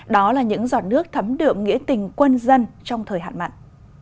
đó là những giọt nước thấm đượm nghĩa tình quân dân trong thời hạn mặn